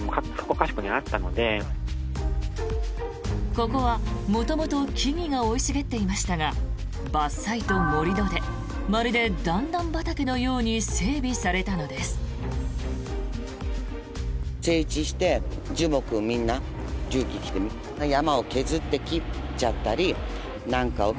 ここは元々木々が生い茂っていましたが伐採と盛り土でまるで段々畑のように整備されたのです。